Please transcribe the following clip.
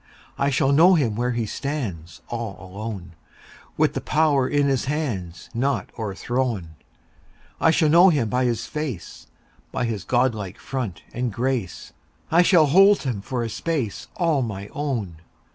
I shall know him where he stands All alone, 10 With the power in his hands Not o'erthrown; I shall know him by his face, By his godlike front and grace; I shall hold him for a space 15 All my own!